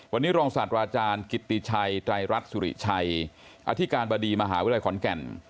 วันนี้รองศาสตราอาจารย์กิติชัยไตรรัฐสุริชัยอธิการบดีมหาวิทยาลัยขอนแก่น